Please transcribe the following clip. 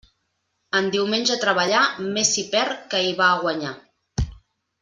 En diumenge treballar, més s'hi perd que hi va a guanyar.